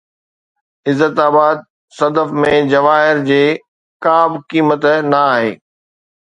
عزت آباد-صدف ۾ جواهر جي ڪا به قيمت نه آهي